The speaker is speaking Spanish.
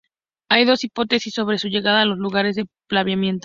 Hay dos hipótesis sobre su llegada a los lugares de poblamiento.